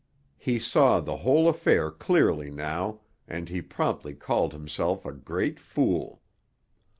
He saw the whole affair clearly now, and he promptly called himself a great fool.